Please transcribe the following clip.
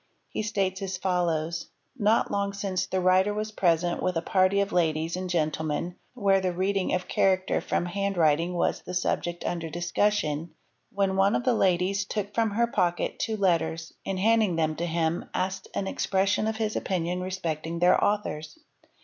He states as follows:—Not long since the writer was present with a party of ladies and gentlemen where the reading of character from hand writing was the subject under discussion, when one of the ladies took — from her pocket two letters, and handing them to him, asked an expres 7 sion of his opinion respecting their authors.